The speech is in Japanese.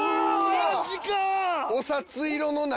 マジか！